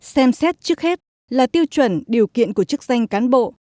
xem xét trước hết là tiêu chuẩn điều kiện của chức danh cán bộ